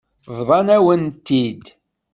Bḍant-awen-t-id.